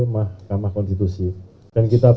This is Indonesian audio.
mahkamah konstitusi dan kita